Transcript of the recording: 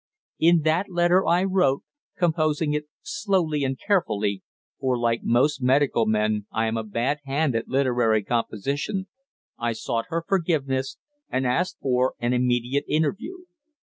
In that letter I wrote, composing it slowly and carefully for like most medical men I am a bad hand at literary composition I sought her forgiveness, and asked for an immediate interview.